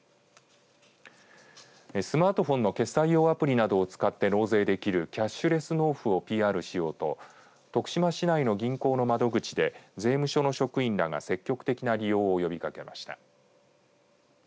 スマートフォンの決済用アプリなどを使って納税できるキャッシュレス納付をＰＲしようと徳島市内の銀行の窓口で税務署の職員らが積極的な利用を呼びかけました。